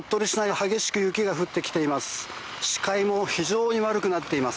激しく雪が降ってきています。